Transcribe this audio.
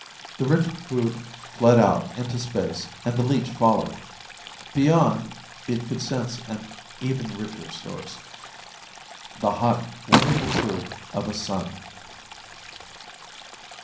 The rich food fled out, into space, and the leech followed. Beyond, it could sense an even richer source. The hot, wonderful food of a sun!